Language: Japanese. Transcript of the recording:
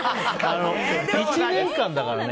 １年間だからね。